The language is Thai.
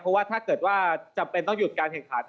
เพราะว่าถ้าเกิดว่าจำเป็นต้องหยุดการแข่งขัน